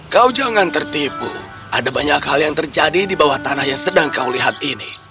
kau jangan tertipu ada banyak hal yang terjadi di bawah tanah yang sedang kau lihat ini